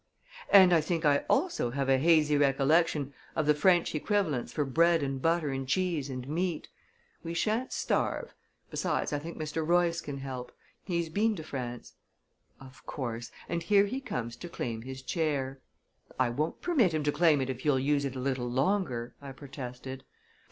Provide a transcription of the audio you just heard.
"And I think I also have a hazy recollection of the French equivalents for bread and butter and cheese and meat. We shan't starve besides, I think Mr. Royce can help. He's been to France." "Of course and here he comes to claim his chair." "I won't permit him to claim it if you'll use it a little longer," I protested.